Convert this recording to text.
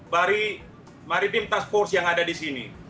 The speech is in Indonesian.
dari maritim task force yang ada di sini